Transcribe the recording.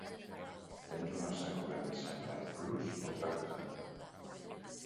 Tens una assegurança Llar plus contractada.